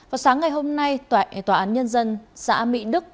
vào sáng ngày hôm nay tòa án nhân dân xã mỹ đức